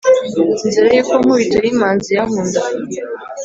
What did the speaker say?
nzira yuko nkubitoyimanzi yankundaga